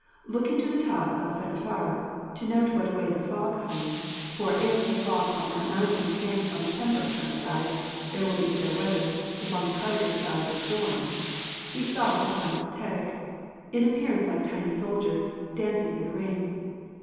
Looking to the top of Frennifawr to note what way the fog hung for if the fog on that mountain hangs on the Pembrokeshire side, there will be fair weather, if on the Cardigan side, storm he saw the Tylwyth Teg, in appearance like tiny soldiers, dancing in a ring.